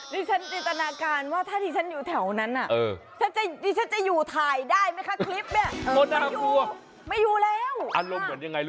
นี่ฉันอินตนาการว่าถ้าที่ฉันอยู่แถวนั้นอ่ะนี่ฉันจะอยู่ถ่ายได้มั้ยคะคลิปเนี่ย